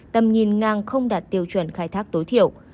tầm nhìn ngang không đạt tiêu chuẩn khai thác tối thiểu